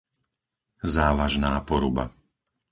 Závažná Poruba